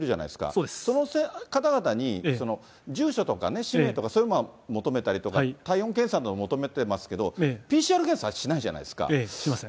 その方々に住所とかね、氏名とか、そういうものを求めたりとか、体温検査も求めてますけど、ＰＣＲ検査はしないじゃないですしません。